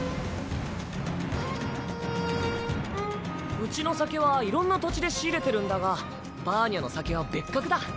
うちの酒はいろんな土地で仕入れてるんだがバーニャの酒は別格だ。